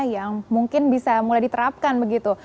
yang mungkin bisa mulai diterapkan begitu